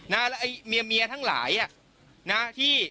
นะมีเมียทั้งหลายนาที่